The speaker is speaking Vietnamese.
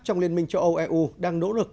trong liên minh châu âu eu đang nỗ lực